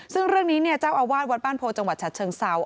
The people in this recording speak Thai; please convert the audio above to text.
ซึ่งเรื่องนี้เนี่ยเจ้าอาวาสวัดบ้านโพจังหวัดฉะเชิงเซา